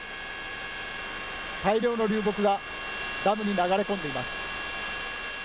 大量の流木がダムに流れ込んでいます。